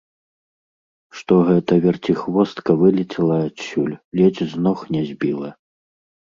Што гэта верціхвостка вылецела адсюль, ледзьве з ног не збіла.